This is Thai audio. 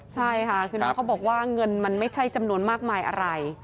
ใช่ค่ะคือน้องเขาบอกว่าเงินมันไม่ใช่จำนวนมากมายอะไร